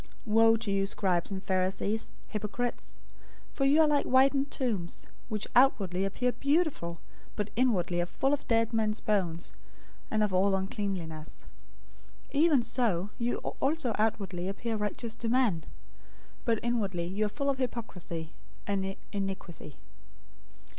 023:027 "Woe to you, scribes and Pharisees, hypocrites! For you are like whitened tombs, which outwardly appear beautiful, but inwardly are full of dead men's bones, and of all uncleanness. 023:028 Even so you also outwardly appear righteous to men, but inwardly you are full of hypocrisy and iniquity.